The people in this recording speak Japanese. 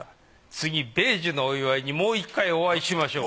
次米寿のお祝いにもう一回お会いしましょう。